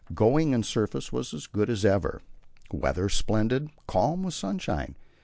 Going and surface as good as ever. Weather splendid calm with sunshine.